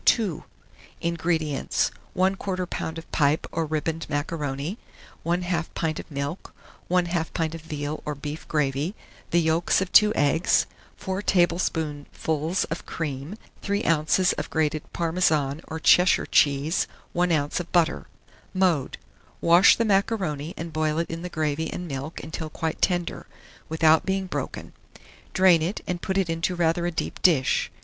II. 1646. INGREDIENTS. 1/4 lb. of pipe or riband macaroni, 1/2 pint of milk, 1/2 pint of veal or beef gravy, the yolks of 2 eggs, 4 tablespoonfuls of cream, 3 oz. of grated Parmesan or Cheshire cheese, 1 oz. of butter. Mode. Wash the macaroni, and boil it in the gravy and milk until quite tender, without being broken. Drain it, and put it into rather a deep dish.